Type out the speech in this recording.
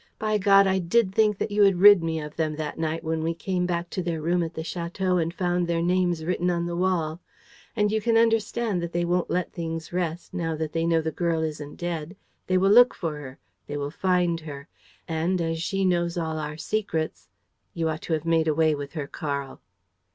By God, I did think that you had rid me of them the night when we came back to their room at the château and found their names written on the wall! And you can understand that they won't let things rest, now that they know the girl isn't dead! They will look for her. They will find her. And, as she knows all our secrets ...! You ought to have made away with her, Karl!"